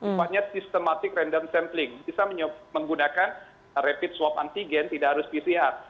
sifatnya sistematik random sampling bisa menggunakan rapid swab antigen tidak harus pcr